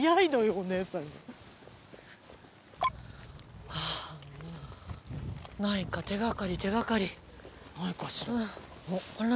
お姉さんはあないか手掛かり手掛かりないかしらあれ何？